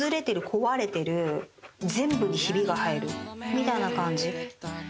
みたいな感じ。